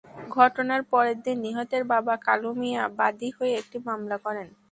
ঘটনার পরদিন নিহতের বাবা কালু মিয়া বাদী হয়ে একটি মামলা করেন।